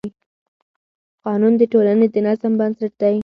قانون د ټولنې د نظم بنسټ دی.